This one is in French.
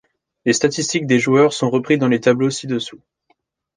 Les statistiques des joueurs sont repris dans les tableaux ci-dessous.